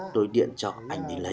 tôi điện cho anh đi lấy